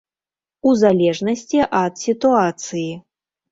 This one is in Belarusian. У залежнасці ад сітуацыі.